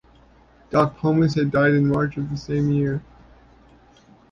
Doc Pomus had died in March of the same year.